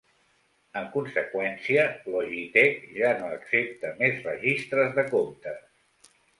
En conseqüència, Logitech ja no accepta més registres de comptes.